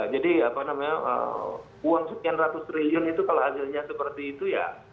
jadi uang sekian ratus triliun itu kalau hasilnya seperti itu ya